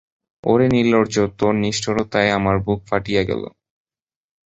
ওরে নির্লজ্জ, তোর নিষ্ঠুরতায় আমার বুক ফাটিয়া গেল।